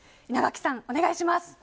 稲垣さん、お願いします。